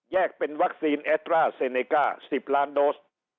เป็นวัคซีนแอดร่าเซเนก้า๑๐ล้านโดส